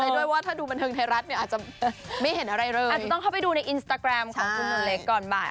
ด้วยว่าถ้าดูบันเทิงไทยรัฐเนี่ยอาจจะไม่เห็นอะไรเลยอาจจะต้องเข้าไปดูในอินสตาแกรมของคุณเล็กก่อนบ่าย